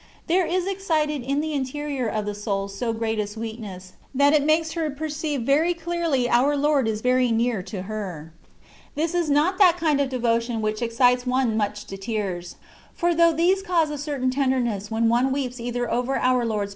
There is excited in the interior of the soul so great a sweetness, that it makes her perceive very clearly our Lord is very near to her. This is not that kind of devotion which excites one much to tears ; for though these cause a certain tenderness when one weeps either over our Lord^s passion, * The " Interior Castle."